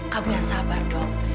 kamu yang sabar dok